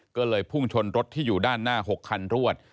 ก็เลยพุ่งชนรถที่อยู่ด้านหน้า๖คันรวด